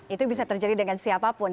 itu bisa terjadi dengan siapapun